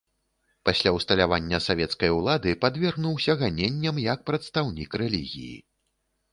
Пасля ўсталявання савецкай улады падвергнуўся ганенням як прадстаўнік рэлігіі.